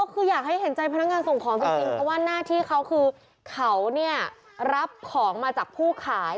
คืออยากให้เห็นใจพนักงานส่งของจริงเพราะว่าหน้าที่เขาคือเขาเนี่ยรับของมาจากผู้ขาย